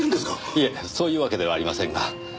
いえそういうわけではありませんが。